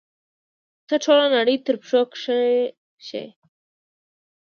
ته ټوله نړۍ تر پښو کښی شي